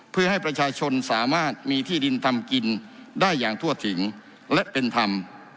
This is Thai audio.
เพื่อให้ประชาชนสามารถมีที่ดินทำกินได้อย่างทั่วถึงและเป็นธรรม